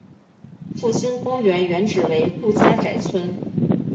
复兴公园原址为顾家宅村。